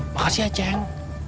makasih ya ceng